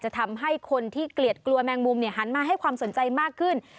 ทำให้คนที่เกลียดกลัวแมงมุมหันมาให้ความสนใจมากขึ้น